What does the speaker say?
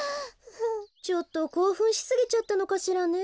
ちょっとこうふんしすぎちゃったのかしらね。